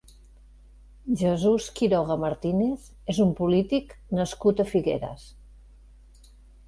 Jesús Quiroga Martínez és un polític nascut a Figueres.